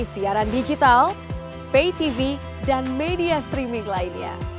dan tidak ada senario